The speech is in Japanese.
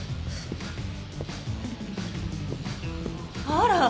あら？